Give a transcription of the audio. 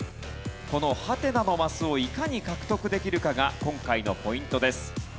このハテナのマスをいかに獲得できるかが今回のポイントです。